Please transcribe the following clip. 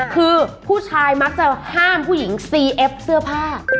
คือผู้ชายมักจะห้ามผู้หญิงซีเอฟเสื้อผ้า